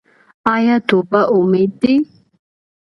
آیا توبه امید دی؟